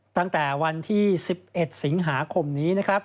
ตั้งแต่วันที่๑๑สิงหาคมนี้นะครับ